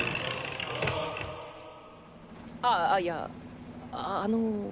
あいやあの。